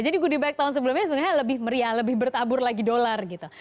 jadi goodie bag tahun sebelumnya lebih meriah lebih bertabur lagi dolar gitu